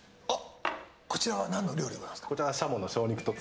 こちらは何の料理でございますか？